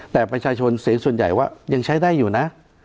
แต่ประชาชนเสียงส่วนใหญ่ว่ายังใช้ได้อยู่นะ